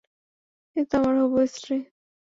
এইতো, আমার হবু স্ত্রী।